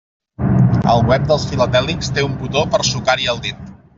El web dels filatèlics té un botó per sucar-hi el dit.